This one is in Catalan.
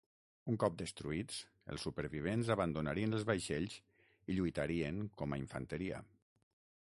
Un cop destruïts, els supervivents abandonarien els vaixells i lluitarien com a infanteria.